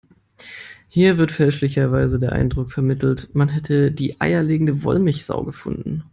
Hier wird fälschlicherweise der Eindruck vermittelt, man hätte die eierlegende Wollmilchsau gefunden.